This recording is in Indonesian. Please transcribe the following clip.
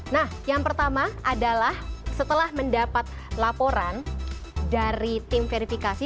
nah yang pertama adalah setelah mendapat laporan dari tim verifikasi